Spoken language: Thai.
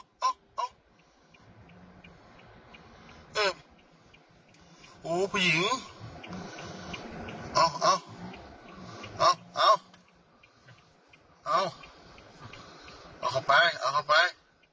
เอาเข้าไปเอาเข้าไป